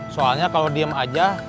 soalnya kalau diem aja